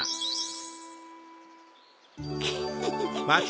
フフフフ。